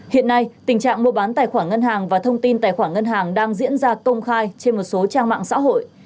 hiện nay tình trạng mua bán tài khoản ngân hàng và thông tin tài khoản ngân hàng đang diễn ra công khai trên một số trang mạng xã hội